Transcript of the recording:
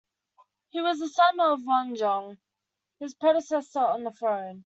He was the son of Wonjong, his predecessor on the throne.